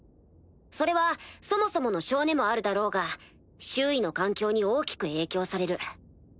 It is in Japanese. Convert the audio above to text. それはそもそもの性根もあるだろうが周囲の環境に大きく影響される。